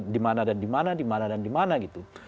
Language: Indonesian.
di mana dan di mana di mana dan di mana gitu